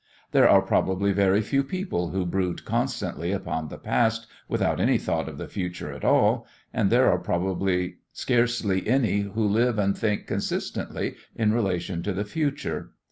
There are probably very few people who brood constantly upon the past without any thought of the future at all, and there are probably scarcely any who live and think consistently in relation to the future.